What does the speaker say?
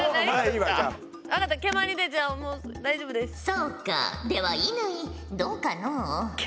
そうかでは乾どうかのう？